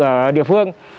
ở địa phương